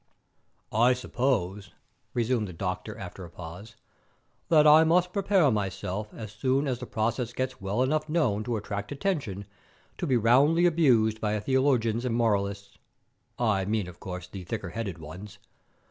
"I suppose," resumed the doctor, after a pause, "that I must prepare myself as soon as the process gets well enough known to attract attention to be roundly abused by the theologians and moralists. I mean, of course, the thicker headed ones.